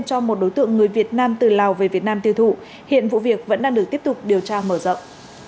cho một đối tượng người việt nam từ lào về việt nam tiêu thụ hiện vụ việc vẫn đang được tiếp tục điều tra mở rộng